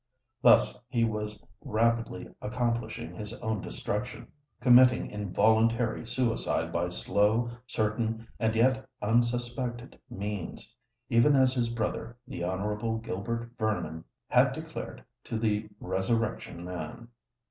Thus was he rapidly accomplishing his own destruction,—committing involuntary suicide by slow, certain, and yet unsuspected means,—even as his brother, the Honourable Gilbert Vernon, had declared to the Resurrection Man.